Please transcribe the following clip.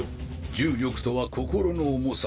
重力とは心の重さ。